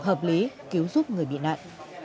hợp lý cứu giúp người bị nạn